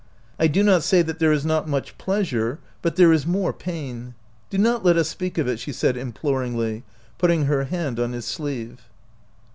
I do not say that there is not much pleasure, but there is more pain. Do not let us speak of it," she said, imploringly, put ting her hand on his sleeve.